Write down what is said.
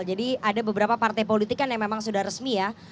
ada beberapa partai politik kan yang memang sudah resmi ya